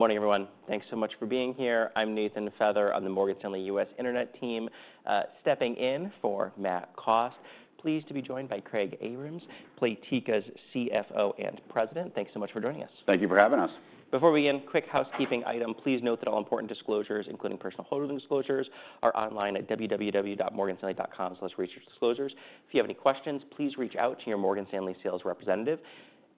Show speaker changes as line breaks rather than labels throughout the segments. Morning, everyone. Thanks so much for being here. I'm Nathan Feather on the Morgan Stanley U.S. Internet team, stepping in for Matt Kost. Pleased to be joined by Craig Abrams, Playtika's CFO and President. Thanks so much for joining us.
Thank you for having us.
Before we begin, quick housekeeping item. Please note that all important disclosures, including personal holding disclosures, are online at www.morganstanley.com/researchdisclosures. If you have any questions, please reach out to your Morgan Stanley sales representative.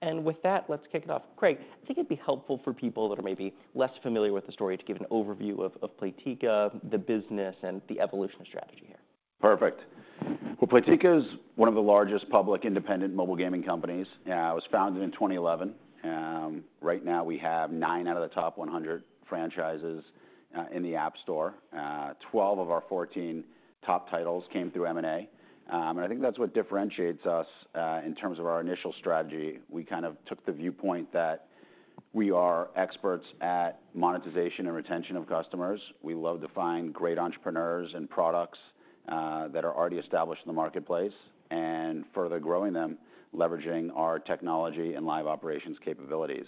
With that, let's kick it off. Craig, I think it'd be helpful for people that are maybe less familiar with the story to give an overview of Playtika, the business, and the evolution of strategy here.
Perfect. Playtika is one of the largest public independent mobile gaming companies. It was founded in 2011. Right now, we have nine out of the top 100 franchises in the App Store. Twelve of our 14 top titles came through M&A. I think that's what differentiates us in terms of our initial strategy. We kind of took the viewpoint that we are experts at monetization and retention of customers. We love to find great entrepreneurs and products that are already established in the marketplace and further growing them, leveraging our technology and live operations capabilities.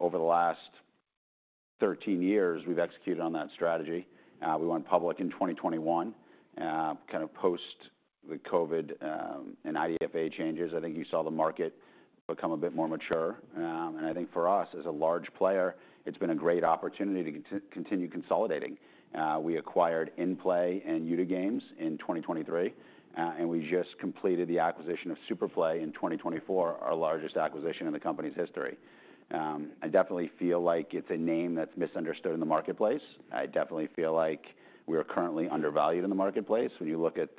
Over the last 13 years, we've executed on that strategy. We went public in 2021, kind of post the COVID and IDFA changes. I think you saw the market become a bit more mature. I think for us, as a large player, it's been a great opportunity to continue consolidating. We acquired Innplay Labs and Youdagames in 2023, and we just completed the acquisition of SuperPlay in 2024, our largest acquisition in the company's history. I definitely feel like it's a name that's misunderstood in the marketplace. I definitely feel like we are currently undervalued in the marketplace. When you look at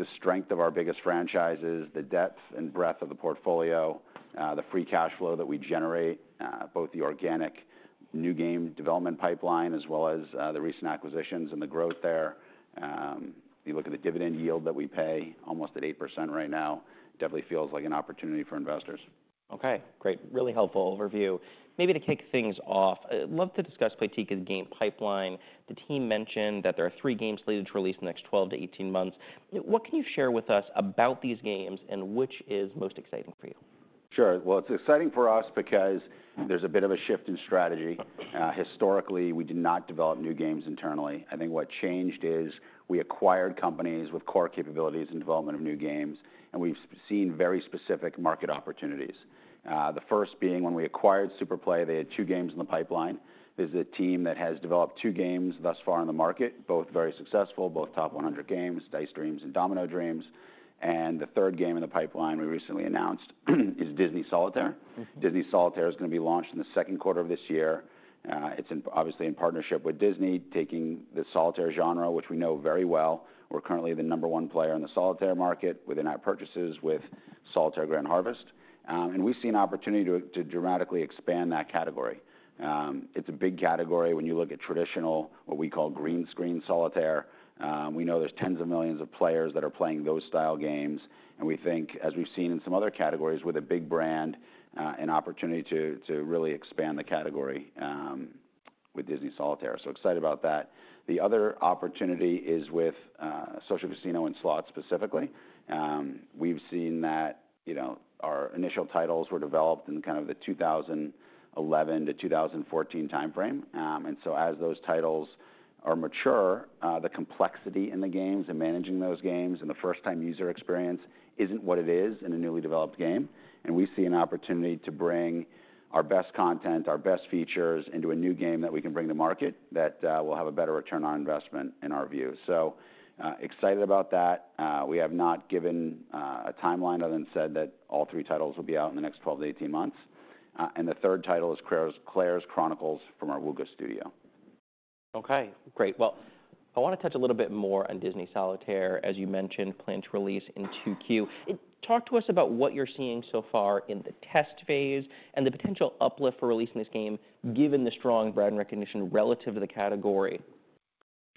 the strength of our biggest franchises, the depth and breadth of the portfolio, the free cash flow that we generate, both the organic new game development pipeline as well as the recent acquisitions and the growth there. You look at the dividend yield that we pay, almost at 8% right now, definitely feels like an opportunity for investors.
OK, great. Really helpful overview. Maybe to kick things off, I'd love to discuss Playtika's game pipeline. The team mentioned that there are three games slated to release in the next 12 to 18 months. What can you share with us about these games and which is most exciting for you?
Sure. It's exciting for us because there's a bit of a shift in strategy. Historically, we did not develop new games internally. I think what changed is we acquired companies with core capabilities and development of new games, and we've seen very specific market opportunities. The first being when we acquired SuperPlay, they had two games in the pipeline. This is a team that has developed two games thus far in the market, both very successful, both top 100 games, Dice Dreams and Domino Dreams. The third game in the pipeline we recently announced is Disney Solitaire. Disney Solitaire is going to be launched in the second quarter of this year. It's obviously in partnership with Disney, taking the solitaire genre, which we know very well. We're currently the number one player in the solitaire market within our purchases with Solitaire Grand Harvest. We have seen an opportunity to dramatically expand that category. It is a big category when you look at traditional, what we call green screen solitaire. We know there are tens of millions of players that are playing those style games. We think, as we have seen in some other categories with a big brand, there is an opportunity to really expand the category with Disney Solitaire. Excited about that. The other opportunity is with social casino and slots specifically. We have seen that our initial titles were developed in kind of the 2011 to 2014 time frame. As those titles are mature, the complexity in the games and managing those games and the first-time user experience is not what it is in a newly developed game. We see an opportunity to bring our best content, our best features into a new game that we can bring to market that will have a better return on investment in our view. Excited about that. We have not given a timeline other than said that all three titles will be out in the next 12-18 months. The third title is Claire's Chronicles from our Wooga studio.
OK, great. I want to touch a little bit more on Disney Solitaire. As you mentioned, planned to release in Q2. Talk to us about what you're seeing so far in the test phase and the potential uplift for releasing this game given the strong brand recognition relative to the category.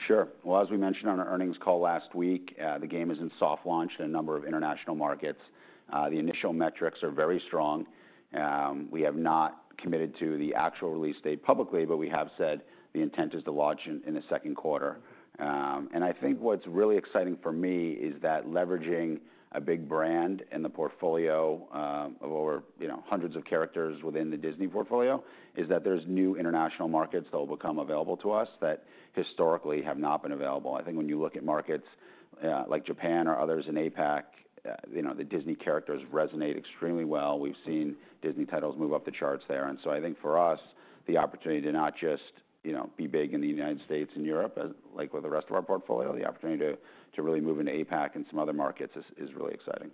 Sure. As we mentioned on our earnings call last week, the game is in soft launch in a number of international markets. The initial metrics are very strong. We have not committed to the actual release date publicly, but we have said the intent is to launch in the second quarter. I think what's really exciting for me is that leveraging a big brand and the portfolio of over hundreds of characters within the Disney portfolio is that there's new international markets that will become available to us that historically have not been available. I think when you look at markets like Japan or others in APAC, the Disney characters resonate extremely well. We've seen Disney titles move up the charts there. I think for us, the opportunity to not just be big in the United States and Europe like with the rest of our portfolio, the opportunity to really move into APAC and some other markets is really exciting.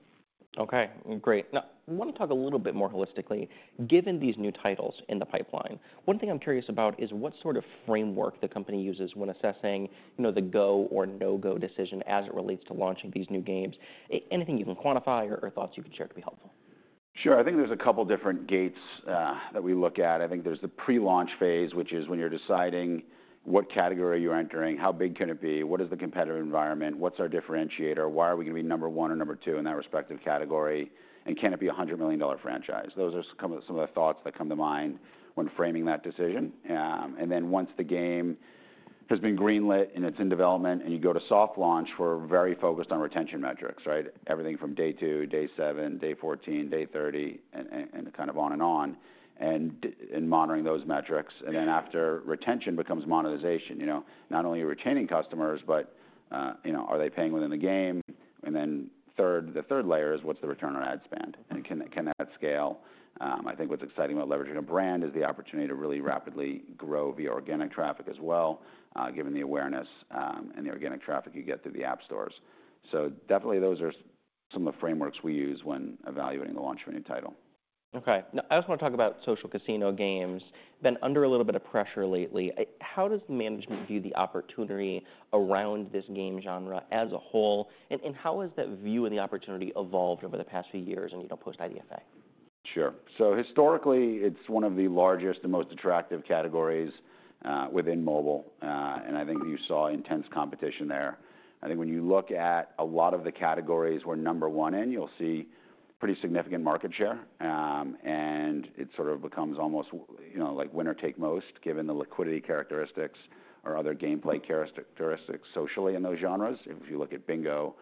OK, great. Now, I want to talk a little bit more holistically. Given these new titles in the pipeline, one thing I'm curious about is what sort of framework the company uses when assessing the go or no-go decision as it relates to launching these new games. Anything you can quantify or thoughts you can share could be helpful.
Sure. I think there's a couple different gates that we look at. I think there's the pre-launch phase, which is when you're deciding what category you're entering, how big can it be, what is the competitive environment, what's our differentiator, why are we going to be number one or number two in that respective category, and can it be a $100 million franchise. Those are some of the thoughts that come to mind when framing that decision. Once the game has been green-lit and it's in development and you go to soft launch, we're very focused on retention metrics, right? Everything from day two, day seven, day 14, day 30, and kind of on and on, and monitoring those metrics. After retention becomes monetization, not only are you retaining customers, but are they paying within the game? The third layer is what's the return on ad spend? Can that scale? I think what's exciting about leveraging a brand is the opportunity to really rapidly grow via organic traffic as well, given the awareness and the organic traffic you get through the app stores. Definitely those are some of the frameworks we use when evaluating the launch of a new title.
OK. Now, I also want to talk about social casino games. Been under a little bit of pressure lately. How does the management view the opportunity around this game genre as a whole? How has that view and the opportunity evolved over the past few years and post-IDFA?
Sure. Historically, it is one of the largest and most attractive categories within mobile. I think you saw intense competition there. I think when you look at a lot of the categories we are number one in, you will see pretty significant market share. It sort of becomes almost like winner take most, given the liquidity characteristics or other gameplay characteristics socially in those genres. If you look at Bingo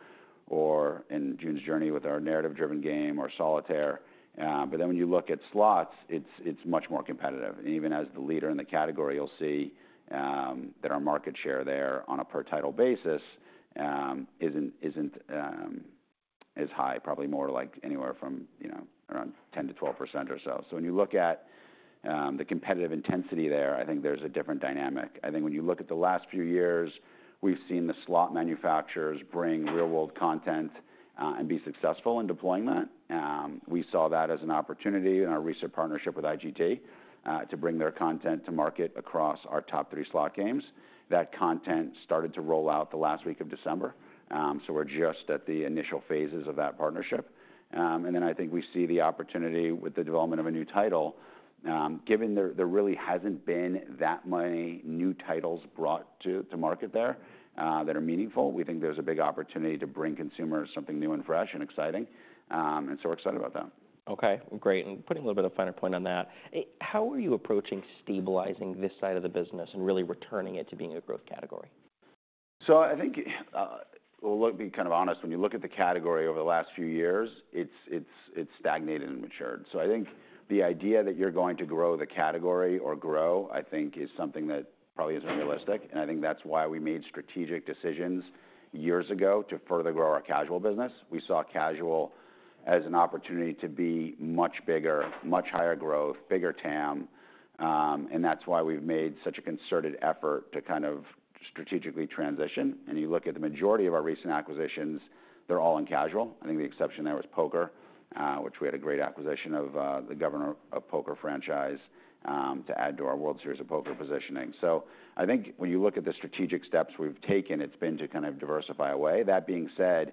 or in June's Journey with our narrative-driven game or Solitaire. When you look at slots, it is much more competitive. Even as the leader in the category, you will see that our market share there on a per-title basis is not as high, probably more like anywhere from around 10% to 12% or so. When you look at the competitive intensity there, I think there is a different dynamic. I think when you look at the last few years, we've seen the slot manufacturers bring real-world content and be successful in deploying that. We saw that as an opportunity in our recent partnership with IGT to bring their content to market across our top three slot games. That content started to roll out the last week of December. We are just at the initial phases of that partnership. I think we see the opportunity with the development of a new title. Given there really hasn't been that many new titles brought to market there that are meaningful, we think there's a big opportunity to bring consumers something new and fresh and exciting. We are excited about that.
OK, great. Putting a little bit of a finer point on that, how are you approaching stabilizing this side of the business and really returning it to being a growth category?
I think we'll be kind of honest. When you look at the category over the last few years, it's stagnated and matured. I think the idea that you're going to grow the category or grow, I think, is something that probably isn't realistic. I think that's why we made strategic decisions years ago to further grow our casual business. We saw casual as an opportunity to be much bigger, much higher growth, bigger TAM. That's why we've made such a concerted effort to kind of strategically transition. You look at the majority of our recent acquisitions, they're all in casual. I think the exception there was poker, which we had a great acquisition of the Governor of Poker franchise to add to our World Series of Poker positioning. I think when you look at the strategic steps we've taken, it's been to kind of diversify away. That being said,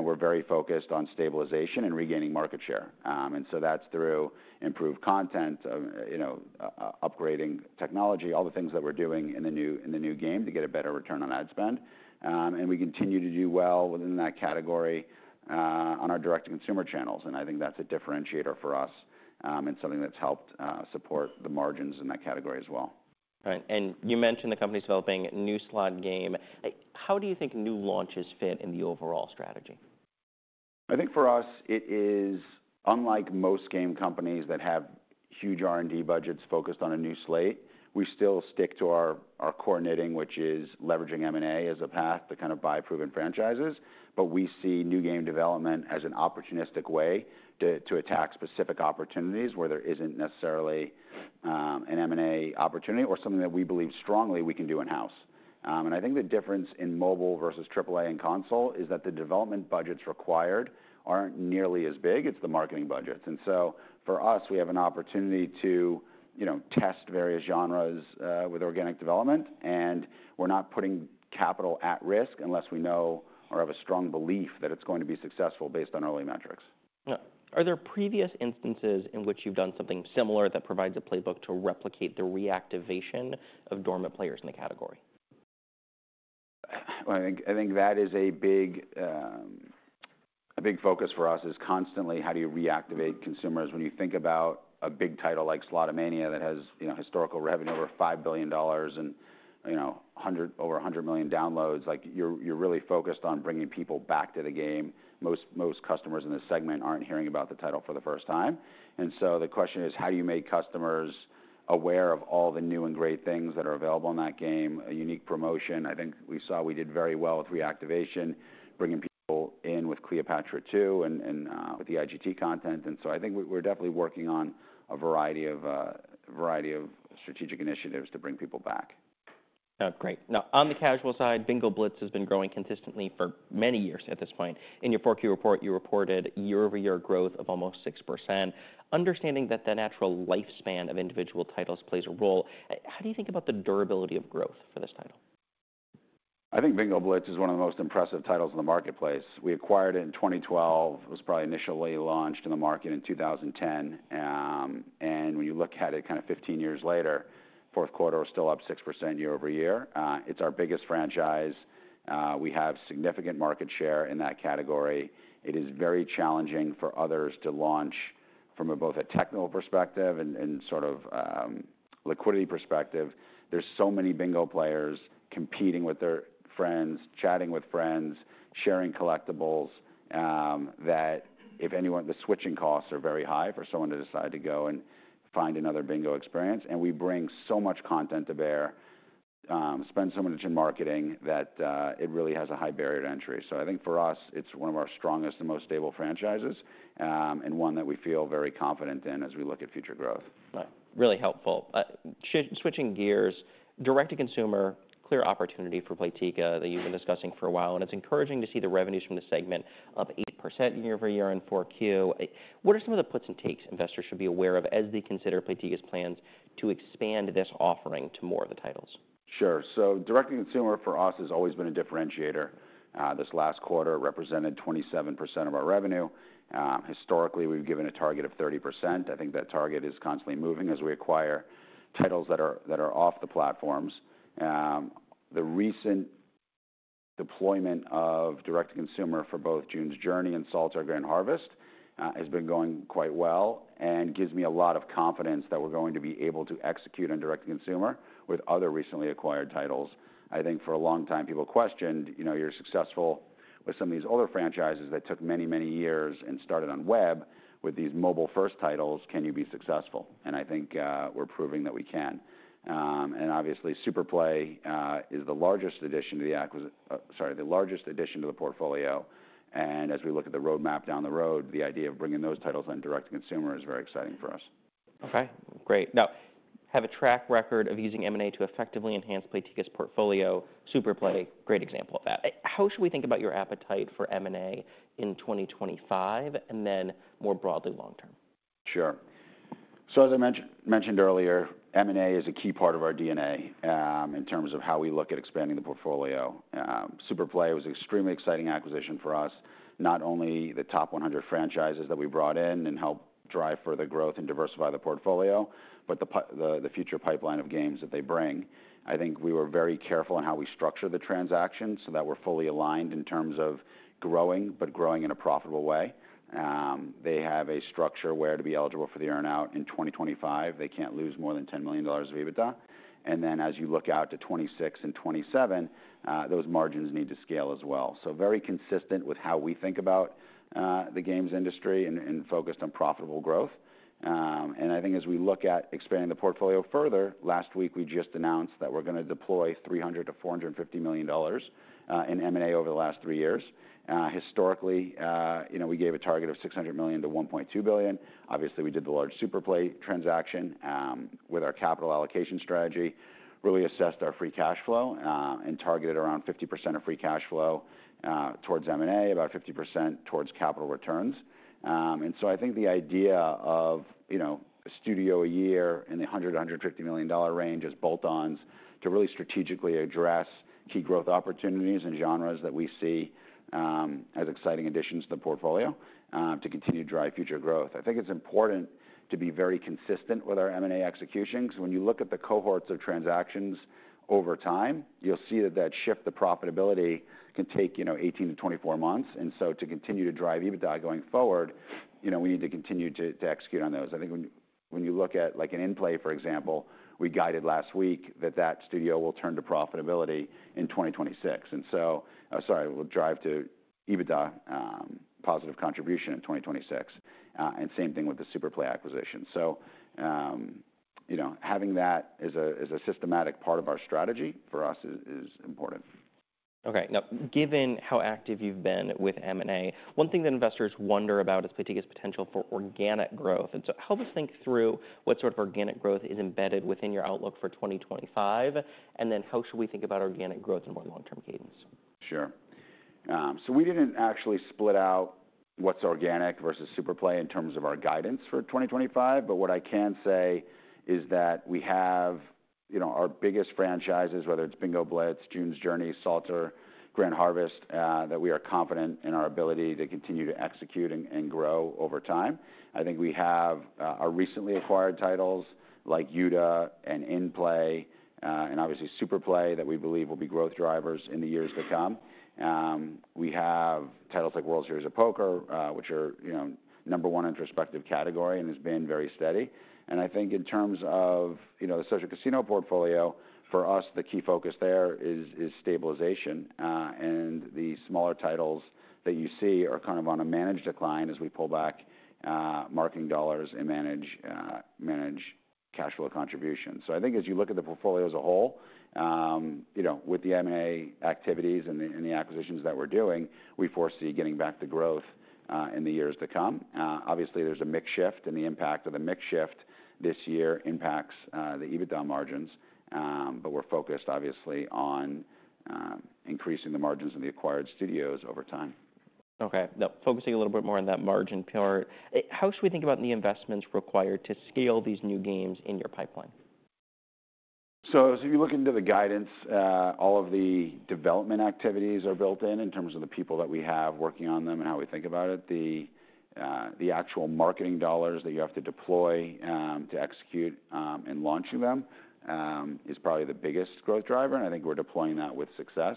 we're very focused on stabilization and regaining market share. That is through improved content, upgrading technology, all the things that we're doing in the new game to get a better return on ad spend. We continue to do well within that category on our direct-to-consumer channels. I think that's a differentiator for us and something that's helped support the margins in that category as well.
Right. You mentioned the company's developing a new slot game. How do you think new launches fit in the overall strategy?
I think for us, it is unlike most game companies that have huge R&D budgets focused on a new slate, we still stick to our core knitting, which is leveraging M&A as a path to kind of buy proven franchises. We see new game development as an opportunistic way to attack specific opportunities where there isn't necessarily an M&A opportunity or something that we believe strongly we can do in-house. I think the difference in mobile versus AAA and console is that the development budgets required aren't nearly as big. It's the marketing budgets. For us, we have an opportunity to test various genres with organic development. We're not putting capital at risk unless we know or have a strong belief that it's going to be successful based on early metrics.
Yeah. Are there previous instances in which you've done something similar that provides a playbook to replicate the reactivation of dormant players in the category?
I think that is a big focus for us is constantly how do you reactivate consumers. When you think about a big title like Slotomania that has historical revenue over $5 billion and over 100 million downloads, you're really focused on bringing people back to the game. Most customers in the segment aren't hearing about the title for the first time. The question is, how do you make customers aware of all the new and great things that are available in that game, a unique promotion? I think we saw we did very well with reactivation, bringing people in with Cleopatra II and with the IGT content. I think we're definitely working on a variety of strategic initiatives to bring people back.
Great. Now, on the casual side, Bingo Blitz has been growing consistently for many years at this point. In your 4Q report, you reported year-over-year growth of almost 6%. Understanding that the natural lifespan of individual titles plays a role, how do you think about the durability of growth for this title?
I think Bingo Blitz is one of the most impressive titles in the marketplace. We acquired it in 2012. It was probably initially launched in the market in 2010. When you look at it kind of 15 years later, fourth quarter was still up 6% year over year. It's our biggest franchise. We have significant market share in that category. It is very challenging for others to launch from both a technical perspective and sort of liquidity perspective. There are so many Bingo players competing with their friends, chatting with friends, sharing collectibles that if anyone, the switching costs are very high for someone to decide to go and find another Bingo experience. We bring so much content to bear, spend so much in marketing that it really has a high barrier to entry. I think for us, it's one of our strongest and most stable franchises and one that we feel very confident in as we look at future growth.
Right. Really helpful. Switching gears, direct-to-consumer, clear opportunity for Playtika that you've been discussing for a while. It is encouraging to see the revenues from the segment up 8% year over year in Q4. What are some of the puts and takes investors should be aware of as they consider Playtika's plans to expand this offering to more of the titles?
Sure. Direct-to-consumer for us has always been a differentiator. This last quarter represented 27% of our revenue. Historically, we've given a target of 30%. I think that target is constantly moving as we acquire titles that are off the platforms. The recent deployment of direct-to-consumer for both June's Journey and Solitaire Grand Harvest has been going quite well and gives me a lot of confidence that we're going to be able to execute on direct-to-consumer with other recently acquired titles. I think for a long time, people questioned, you're successful with some of these older franchises that took many, many years and started on web with these mobile-first titles. Can you be successful? I think we're proving that we can. Obviously, SuperPlay is the largest addition to the portfolio. As we look at the roadmap down the road, the idea of bringing those titles on direct-to-consumer is very exciting for us.
OK, great. Now, you have a track record of using M&A to effectively enhance Playtika's portfolio. SuperPlay is a great example of that. How should we think about your appetite for M&A in 2025 and then more broadly long term?
Sure. As I mentioned earlier, M&A is a key part of our DNA in terms of how we look at expanding the portfolio. SuperPlay was an extremely exciting acquisition for us, not only the top 100 franchises that we brought in and helped drive further growth and diversify the portfolio, but the future pipeline of games that they bring. I think we were very careful in how we structured the transaction so that we're fully aligned in terms of growing, but growing in a profitable way. They have a structure where to be eligible for the earnout in 2025, they can't lose more than $10 million of EBITDA. As you look out to 2026 and 2027, those margins need to scale as well. Very consistent with how we think about the games industry and focused on profitable growth. I think as we look at expanding the portfolio further, last week we just announced that we're going to deploy $300 million-$450 million in M&A over the last three years. Historically, we gave a target of $600 million-$1.2 billion. Obviously, we did the large SuperPlay transaction with our capital allocation strategy, really assessed our free cash flow, and targeted around 50% of free cash flow towards M&A, about 50% towards capital returns. I think the idea of a studio a year in the $100 million-$150 million range as bolt-ons to really strategically address key growth opportunities and genres that we see as exciting additions to the portfolio to continue to drive future growth. I think it's important to be very consistent with our M&A executions. When you look at the cohorts of transactions over time, you'll see that that shift to profitability can take 18 to 24 months. To continue to drive EBITDA going forward, we need to continue to execute on those. I think when you look at like an Innplay, for example, we guided last week that that studio will turn to profitability in 2026. Sorry, it will drive to EBITDA positive contribution in 2026. Same thing with the SuperPlay acquisition. Having that as a systematic part of our strategy for us is important.
OK. Now, given how active you've been with M&A, one thing that investors wonder about is Playtika's potential for organic growth. Help us think through what sort of organic growth is embedded within your outlook for 2025. How should we think about organic growth in more long-term cadence?
Sure. We did not actually split out what is organic versus SuperPlay in terms of our guidance for 2025. What I can say is that we have our biggest franchises, whether it is Bingo Blitz, June's Journey, Solitaire Grand Harvest, that we are confident in our ability to continue to execute and grow over time. I think we have our recently acquired titles like Youdagames and Innplay Labs and obviously SuperPlay that we believe will be growth drivers in the years to come. We have titles like World Series of Poker, which are number one in their respective category and have been very steady. I think in terms of the social casino portfolio, for us, the key focus there is stabilization. The smaller titles that you see are kind of on a managed decline as we pull back marketing dollars and manage cash flow contributions. I think as you look at the portfolio as a whole, with the M&A activities and the acquisitions that we're doing, we foresee getting back the growth in the years to come. Obviously, there's a mixed shift. The impact of the mixed shift this year impacts the EBITDA margins. We're focused, obviously, on increasing the margins of the acquired studios over time.
OK. Now, focusing a little bit more on that margin part, how should we think about the investments required to scale these new games in your pipeline?
As you look into the guidance, all of the development activities are built in in terms of the people that we have working on them and how we think about it. The actual marketing dollars that you have to deploy to execute and launching them is probably the biggest growth driver. I think we're deploying that with success.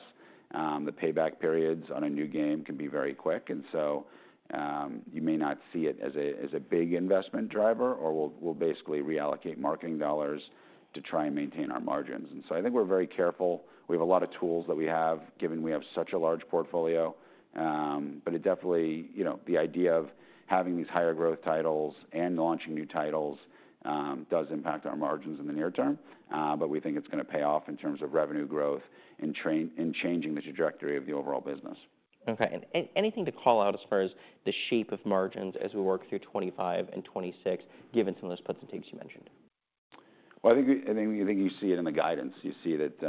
The payback periods on a new game can be very quick. You may not see it as a big investment driver, or we'll basically reallocate marketing dollars to try and maintain our margins. I think we're very careful. We have a lot of tools that we have, given we have such a large portfolio. It definitely, the idea of having these higher growth titles and launching new titles does impact our margins in the near term. We think it's going to pay off in terms of revenue growth and changing the trajectory of the overall business.
OK. Anything to call out as far as the shape of margins as we work through 2025 and 2026, given some of those puts and takes you mentioned?
I think you see it in the guidance. You see that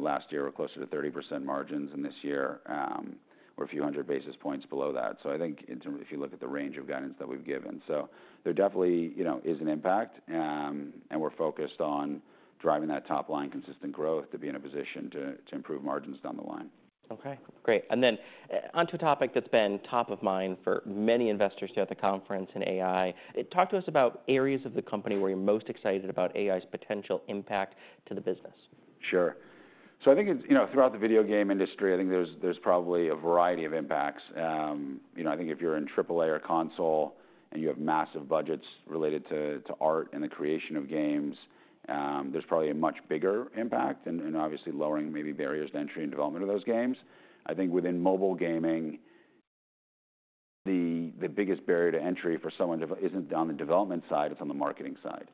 last year we were closer to 30% margins. This year, we are a few hundred basis points below that. I think if you look at the range of guidance that we have given, there definitely is an impact. We are focused on driving that top line consistent growth to be in a position to improve margins down the line.
OK. Great. On to a topic that's been top of mind for many investors throughout the conference in AI. Talk to us about areas of the company where you're most excited about AI's potential impact to the business.
Sure. I think throughout the video game industry, I think there's probably a variety of impacts. I think if you're in AAA or console and you have massive budgets related to art and the creation of games, there's probably a much bigger impact. Obviously, lowering maybe barriers to entry and development of those games. I think within mobile gaming, the biggest barrier to entry for someone isn't on the development side. It's on the marketing side.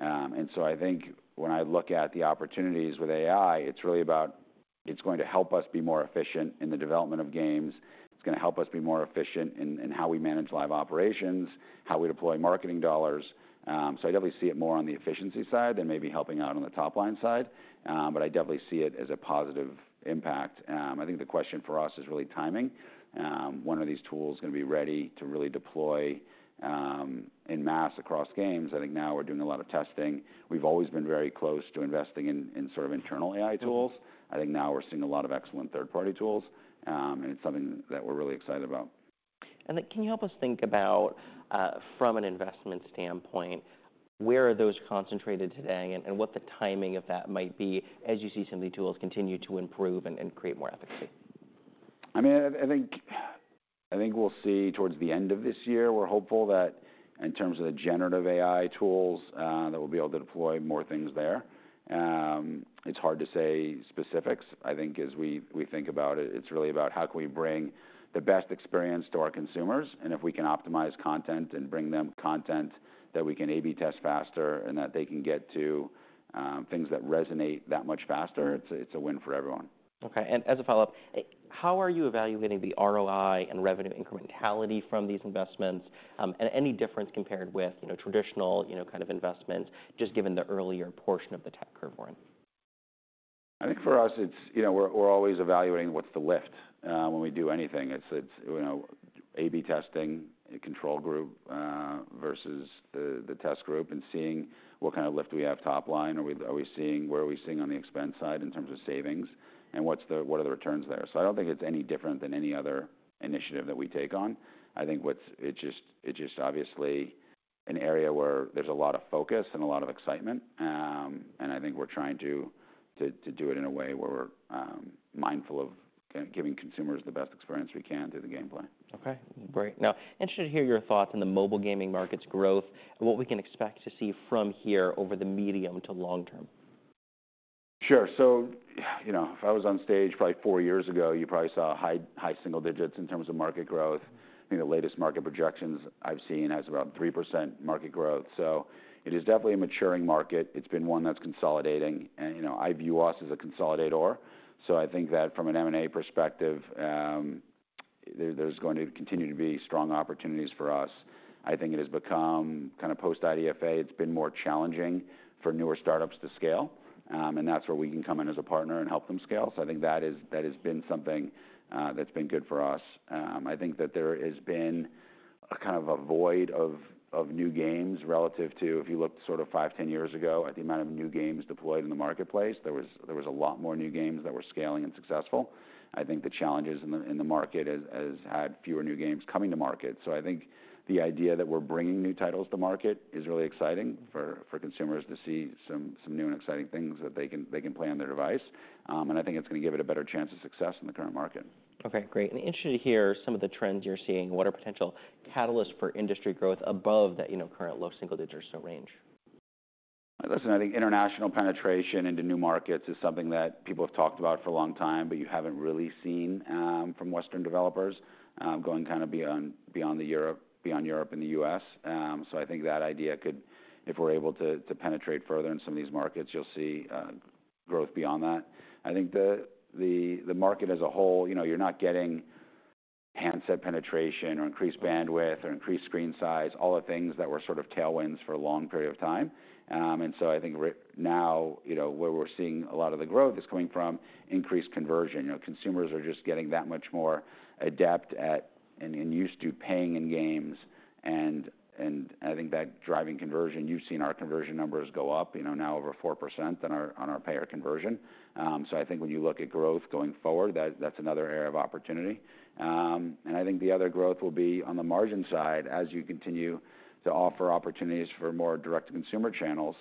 I think when I look at the opportunities with AI, it's really about it's going to help us be more efficient in the development of games. It's going to help us be more efficient in how we manage live operations, how we deploy marketing dollars. I definitely see it more on the efficiency side than maybe helping out on the top line side. I definitely see it as a positive impact. I think the question for us is really timing. When are these tools going to be ready to really deploy en masse across games? I think now we're doing a lot of testing. We've always been very close to investing in sort of internal AI tools. I think now we're seeing a lot of excellent third-party tools. It's something that we're really excited about.
Can you help us think about, from an investment standpoint, where are those concentrated today and what the timing of that might be as you see some of these tools continue to improve and create more efficacy?
I mean, I think we'll see towards the end of this year. We're hopeful that in terms of the generative AI tools, that we'll be able to deploy more things there. It's hard to say specifics. I think as we think about it, it's really about how can we bring the best experience to our consumers. If we can optimize content and bring them content that we can A/B test faster and that they can get to things that resonate that much faster, it's a win for everyone.
OK. As a follow-up, how are you evaluating the ROI and revenue incrementality from these investments and any difference compared with traditional kind of investments, just given the earlier portion of the tech curve, Warren?
I think for us, we're always evaluating what's the lift when we do anything. It's A/B testing, a control group versus the test group, and seeing what kind of lift we have top line. Are we seeing where are we seeing on the expense side in terms of savings? What are the returns there? I don't think it's any different than any other initiative that we take on. It's just obviously an area where there's a lot of focus and a lot of excitement. I think we're trying to do it in a way where we're mindful of giving consumers the best experience we can through the gameplay.
OK. Great. Now, interested to hear your thoughts on the mobile gaming market's growth and what we can expect to see from here over the medium to long term.
Sure. If I was on stage probably four years ago, you probably saw high single digits in terms of market growth. I think the latest market projections I've seen has about 3% market growth. It is definitely a maturing market. It's been one that's consolidating. I view us as a consolidator. I think that from an M&A perspective, there's going to continue to be strong opportunities for us. I think it has become kind of post-IDFA. It's been more challenging for newer startups to scale. That's where we can come in as a partner and help them scale. I think that has been something that's been good for us. I think that there has been kind of a void of new games relative to if you looked sort of five, ten years ago at the amount of new games deployed in the marketplace, there were a lot more new games that were scaling and successful. I think the challenges in the market have had fewer new games coming to market. I think the idea that we're bringing new titles to market is really exciting for consumers to see some new and exciting things that they can play on their device. I think it's going to give it a better chance of success in the current market.
OK. Great. I am interested to hear some of the trends you are seeing. What are potential catalysts for industry growth above that current low single digit range? Listen, I think international penetration into new markets is something that people have talked about for a long time, but you have not really seen from Western developers going kind of beyond Europe and the U.S. I think that idea could, if we are able to penetrate further in some of these markets, you will see growth beyond that. I think the market as a whole, you are not getting handset penetration or increased bandwidth or increased screen size, all the things that were sort of tailwinds for a long period of time. I think now where we are seeing a lot of the growth is coming from increased conversion. Consumers are just getting that much more adept and used to paying in games. I think that driving conversion, you have seen our conversion numbers go up now over 4% on our payer conversion. I think when you look at growth going forward, that's another area of opportunity. I think the other growth will be on the margin side as you continue to offer opportunities for more direct-to-consumer channels.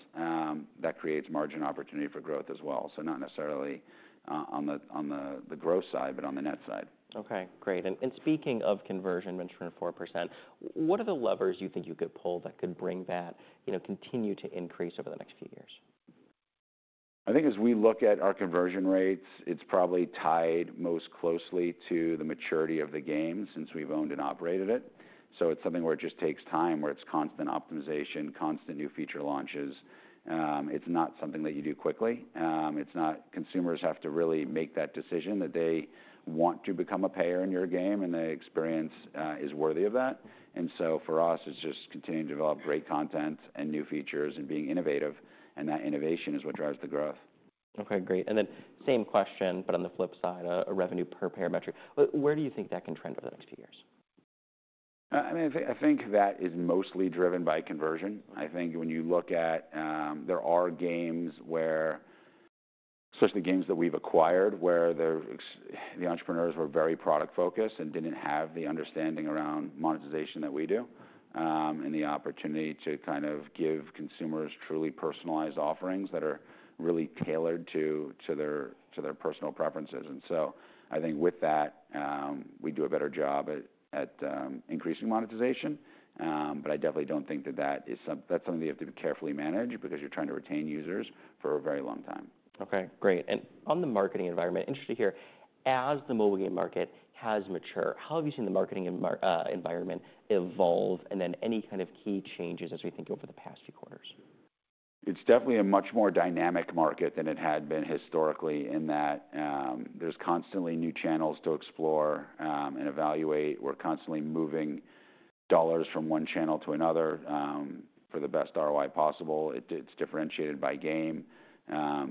That creates margin opportunity for growth as well. Not necessarily on the gross side, but on the net side. OK. Great. Speaking of conversion, mentioned 4%, what are the levers you think you could pull that could bring that continue to increase over the next few years?
I think as we look at our conversion rates, it's probably tied most closely to the maturity of the game since we've owned and operated it. It's something where it just takes time, where it's constant optimization, constant new feature launches. It's not something that you do quickly. Consumers have to really make that decision that they want to become a payer in your game and the experience is worthy of that. For us, it's just continuing to develop great content and new features and being innovative. That innovation is what drives the growth.
OK. Great. Same question, but on the flip side, a revenue per payer metric. Where do you think that can trend over the next few years?
I mean, I think that is mostly driven by conversion. I think when you look at there are games where, especially games that we've acquired, where the entrepreneurs were very product-focused and didn't have the understanding around monetization that we do and the opportunity to kind of give consumers truly personalized offerings that are really tailored to their personal preferences. I think with that, we do a better job at increasing monetization. I definitely don't think that that's something that you have to carefully manage because you're trying to retain users for a very long time.
OK. Great. On the marketing environment, interested to hear, as the mobile game market has matured, how have you seen the marketing environment evolve and then any kind of key changes as we think over the past few quarters?
It's definitely a much more dynamic market than it had been historically in that there's constantly new channels to explore and evaluate. We're constantly moving dollars from one channel to another for the best ROI possible. It's differentiated by game,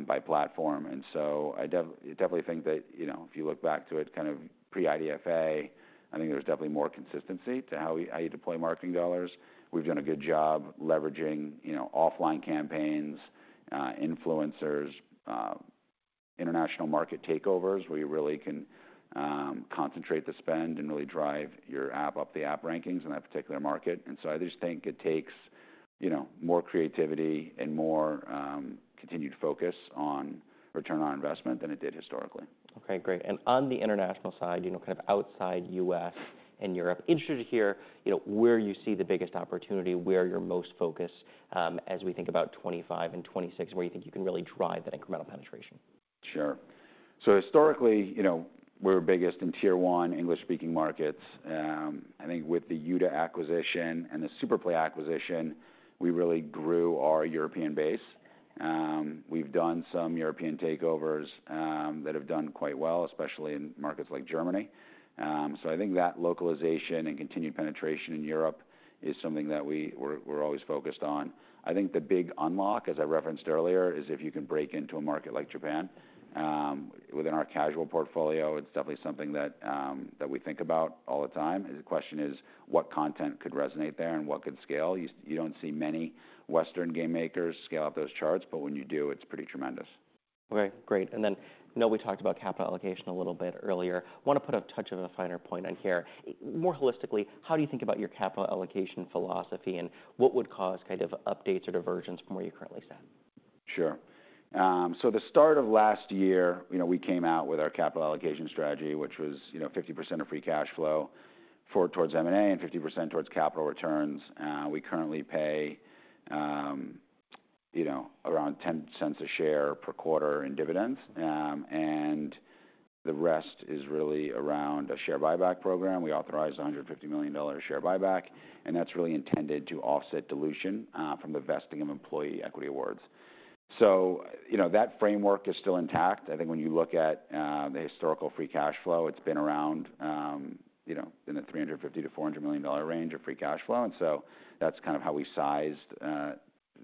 by platform. I definitely think that if you look back to it kind of pre-IDFA, there's definitely more consistency to how you deploy marketing dollars. We've done a good job leveraging offline campaigns, influencers, international market takeovers where you really can concentrate the spend and really drive your app up the app rankings in that particular market. I just think it takes more creativity and more continued focus on return on investment than it did historically.
OK. Great. On the international side, kind of outside U.S. and Europe, interested to hear where you see the biggest opportunity, where you're most focused as we think about 2025 and 2026, where you think you can really drive that incremental penetration.
Sure. Historically, we were biggest in tier one English-speaking markets. I think with the Youdagames acquisition and the SuperPlay acquisition, we really grew our European base. We've done some European takeovers that have done quite well, especially in markets like Germany. I think that localization and continued penetration in Europe is something that we're always focused on. I think the big unlock, as I referenced earlier, is if you can break into a market like Japan. Within our casual portfolio, it's definitely something that we think about all the time. The question is, what content could resonate there and what could scale? You don't see many Western game makers scale up those charts. When you do, it's pretty tremendous.
OK. Great. I know we talked about capital allocation a little bit earlier. I want to put a touch of a finer point on here. More holistically, how do you think about your capital allocation philosophy and what would cause kind of updates or diversions from where you currently stand?
Sure. At the start of last year, we came out with our capital allocation strategy, which was 50% of free cash flow towards M&A and 50% towards capital returns. We currently pay around $0.10 a share per quarter in dividends. The rest is really around a share buyback program. We authorized a $150 million share buyback. That is really intended to offset dilution from the vesting of employee equity awards. That framework is still intact. I think when you look at the historical free cash flow, it has been around in the $350-$400 million range of free cash flow. That is kind of how we sized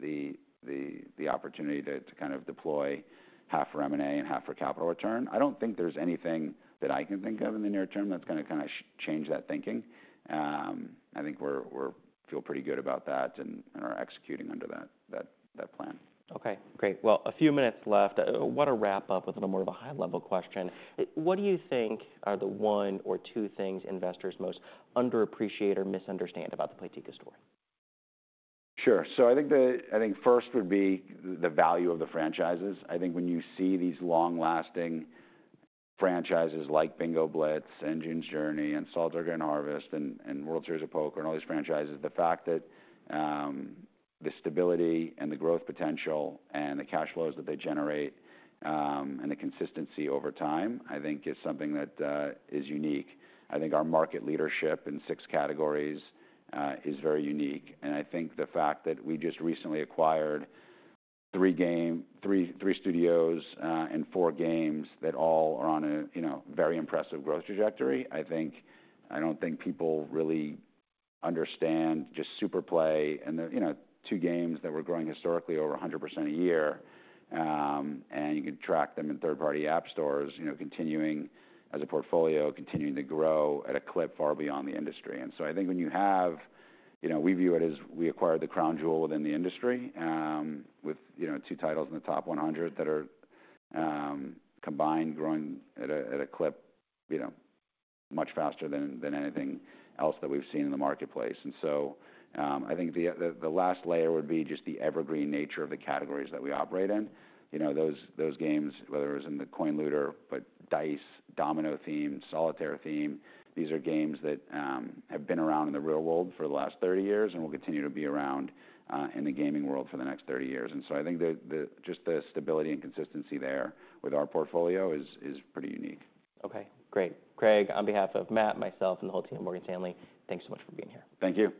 the opportunity to deploy half for M&A and half for capital return. I do not think there is anything that I can think of in the near term that is going to change that thinking. I think we feel pretty good about that and are executing under that plan.
OK. Great. A few minutes left. I want to wrap up with more of a high-level question. What do you think are the one or two things investors most underappreciate or misunderstand about the Playtika story?
Sure. I think first would be the value of the franchises. I think when you see these long-lasting franchises like Bingo Blitz, June's Journey, and Solitaire Grand Harvest, and World Series of Poker, and all these franchises, the fact that the stability and the growth potential and the cash flows that they generate and the consistency over time, I think is something that is unique. I think our market leadership in six categories is very unique. I think the fact that we just recently acquired three studios and four games that all are on a very impressive growth trajectory, I do not think people really understand just SuperPlay. And two games that were growing historically over 100% a year. You can track them in third-party app stores continuing as a portfolio, continuing to grow at a clip far beyond the industry. I think when you have, we view it as we acquired the crown jewel within the industry with two titles in the top 100 that are combined growing at a clip much faster than anything else that we've seen in the marketplace. I think the last layer would be just the evergreen nature of the categories that we operate in. Those games, whether it was in the coin looter, but dice, domino theme, solitaire theme, these are games that have been around in the real world for the last 30 years and will continue to be around in the gaming world for the next 30 years. I think just the stability and consistency there with our portfolio is pretty unique.
OK. Great. Craig, on behalf of Matt, myself, and the whole team at Morgan Stanley, thanks so much for being here.
Thank you.